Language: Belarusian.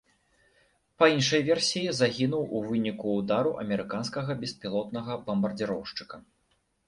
Па іншай версіі, загінуў у выніку ўдару амерыканскага беспілотнага бамбардзіроўшчыка.